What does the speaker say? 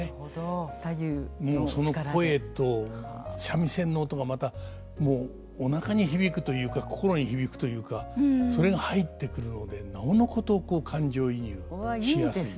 その声と三味線の音がまたおなかに響くというか心に響くというかそれが入ってくるのでなおのこと感情移入しやすい。